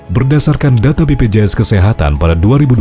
berdasarkan data bpjs kesehatan pada dua ribu dua puluh